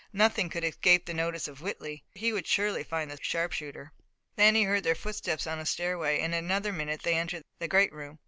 Nothing could escape the notice of Whitley, and he would surely find the sharpshooter. Then he heard their footsteps on a stairway and in another minute they entered the great room.